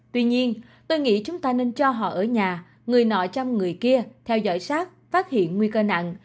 tuy nhiên tôi nghĩ chúng ta nên cho họ ở nhà người nọ chăm người kia theo dõi sát phát hiện nguy cơ nặng